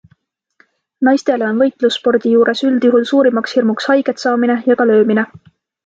Naistele on võitlusspordi juures üldjuhul suurimaks hirmuks haiget saamine ja ka löömine.